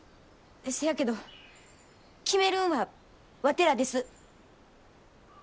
せやけど決めるんはワテらです。